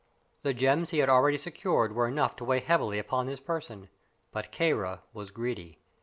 The gems he had already secured were enough to weigh heavily upon his person; but Kāra was greedy.